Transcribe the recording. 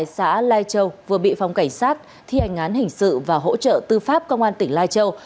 xã lai châu vừa bị phòng cảnh sát thi hành án hình sự và hỗ trợ tư pháp công an tỉnh lai châu